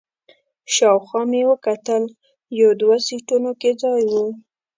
شاوخوا مې وکتل، یو دوه سیټونو کې ځای و.